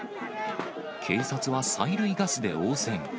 警察は催涙ガスで応戦。